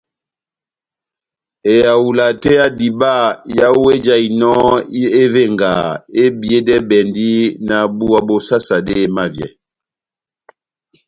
Ehawula tɛ́h ya diba yawu ejahinɔ evengaha ebiyedɛbɛndi náh búwa bó sasade emavyɛ.